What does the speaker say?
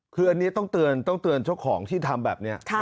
คืออันนี้ต้องเตือนต้องเตือนเจ้าของที่ทำแบบนี้